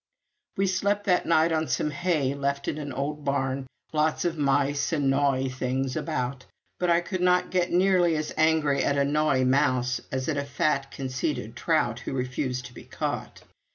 We slept that night on some hay left in an old barn lots of mice and gnawy things about; but I could not get nearly as angry at a gnawy mouse as at a fat conceited trout who refused to be caught.